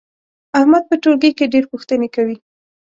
احمد په ټولګي کې ډېر پوښتنې کوي.